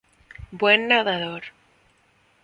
Buen nadador.